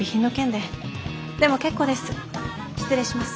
でも結構です。